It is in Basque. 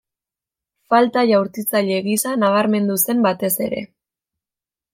Falta jaurtitzaile gisa nabarmendu zen batez ere.